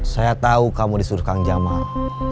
saya tahu kamu disuruh kang jaman